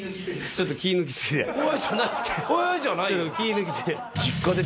ちょっと気抜き過ぎで。